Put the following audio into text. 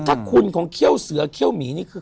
ถ้าคุณของเขี้ยวเสือเขี้ยวหมีนี่คือ